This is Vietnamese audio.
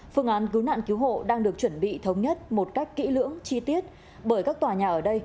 phương án cứu nạn cứu hộ đang được chuẩn bị thống nhất một cách kỹ lưỡng chi tiết bởi các tòa nhà ở đây